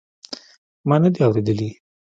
ما ندي اورېدلي.